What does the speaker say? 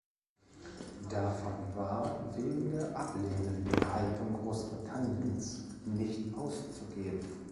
Davon war wegen der ablehnenden Haltung Großbritanniens nicht auszugehen.